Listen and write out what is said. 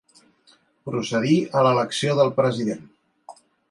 Procedir a l'elecció del president.